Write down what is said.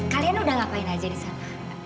kalian sudah ngapain saja di sana